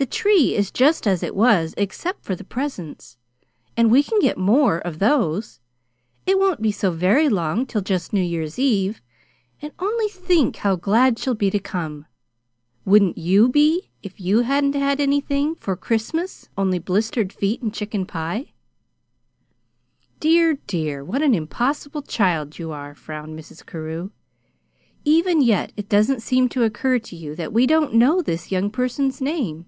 The tree is just as it was except for the presents, and we can get more of those. It won't be so very long till just New Year's Eve; and only think how glad she'll be to come! Wouldn't YOU be, if you hadn't had anything for Christmas only blistered feet and chicken pie?" "Dear, dear, what an impossible child you are!" frowned Mrs. Carew. "Even yet it doesn't seem to occur to you that we don't know this young person's name."